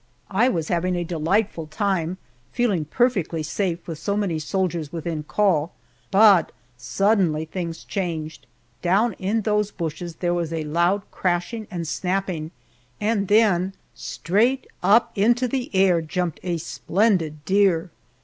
I was having a delightful time, feeling perfectly safe with so many soldiers within call. But suddenly things changed. Down in those bushes there was a loud crashing and snapping, and then straight up into the air jumped a splendid deer!